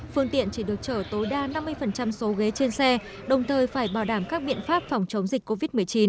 phương tiện chỉ được chở tối đa năm mươi số ghế trên xe đồng thời phải bảo đảm các biện pháp phòng chống dịch covid một mươi chín